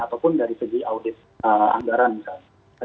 ataupun dari segi audit anggaran misalnya